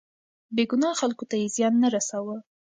بې ګناه خلکو ته يې زيان نه رساوه.